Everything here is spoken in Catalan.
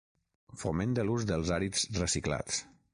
Foment de l'ús dels àrids reciclats.